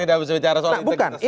tidak bisa bicara soal itu